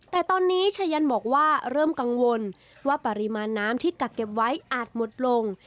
แต่ตอนนี้ชายันบอกว่าเริ่มกังวลว่าปริมาณน้ำที่กักเก็บไว้อาจหมดลง